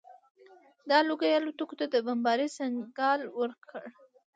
دا لوګي الوتکو ته د بمبارۍ سګنال ورکړ